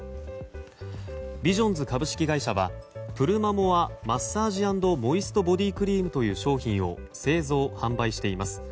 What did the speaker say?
ビジョンズ株式会社はプルマモアマッサージ＆モイストボディクリームという商品を製造・販売しています。